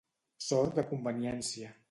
Sord de conveniència.